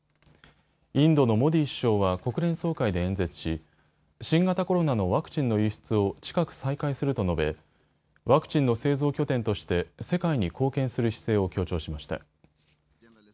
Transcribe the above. インドのモディ首相は国連総会で演説し、新型コロナのワクチンの輸出を近く再開すると述べ、ワクチンの製造拠点として世界に貢献する姿勢を強調しました。